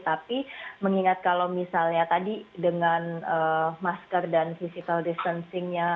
tapi mengingat kalau misalnya tadi dengan masker dan physical distancingnya